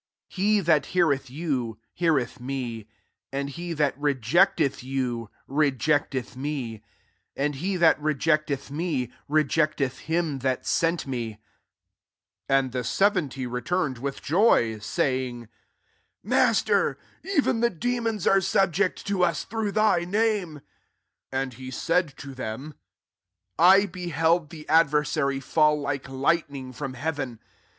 l6^Ue that heareth^ou, hear •th me ; and he that rejecteth you, rejecteth me ; and he that rejecteth me, rejected htmrthat sent me/' 17 AMD the seventy returned with joy^ saying, " Master, even the demons are subject to usi through thy name»" 18 And he said to them, <^ I beheld the adversary fall like lightning from hes^ren.